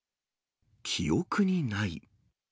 記憶にない。